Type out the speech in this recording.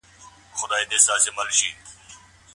آس په کوهي کې خپلې چیغې بندې کړې.